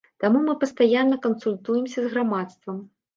Таму мы пастаянна кансультуемся з грамадствам.